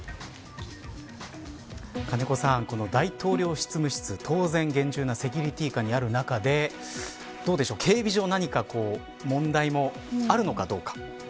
金子さん、大統領執務室当然、厳重なセキュリティ下にある中でどうでしょう、警備上何か問題もあるのかどうか。